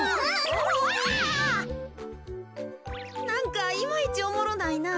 なんかいまいちおもろないな。